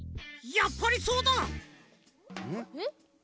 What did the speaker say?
やっぱりそうだ！えっ？